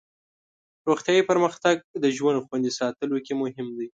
روغتیایي پرمختګ د ژوند خوندي ساتلو کې مهم دی.